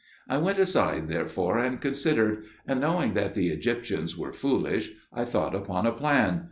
I went aside therefore and considered; and knowing that the Egyptians were foolish, I thought upon a plan.